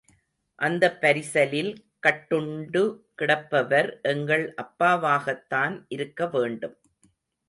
அந்தப் பரிசலில் கட்டுண்டு கிடப்பவர் எங்கள் அப்பாவாகத்தான் இருக்க வேண்டும்.